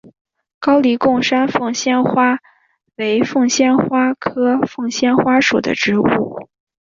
高黎贡山凤仙花为凤仙花科凤仙花属的植物。